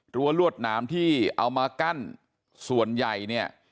รวดหนามที่เอามากั้นส่วนใหญ่เนี่ย